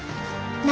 何？